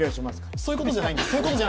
そういうことじゃないんです。